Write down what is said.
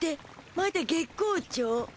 まだ月光町？